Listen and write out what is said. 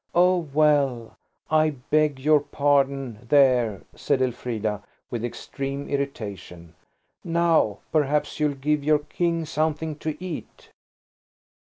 "Oh, well, I beg your pardon–there!" said Elfrida, with extreme irritation. "Now perhaps you'll give your King something to eat."